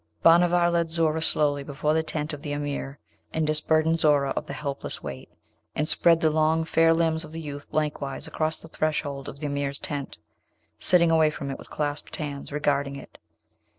Bhanavar led Zoora slowly before the tent of the Emir, and disburdened Zoora of the helpless weight, and spread the long fair limbs of the youth lengthwise across the threshold of the Emir's tent, sitting away from it with clasped hands, regarding it.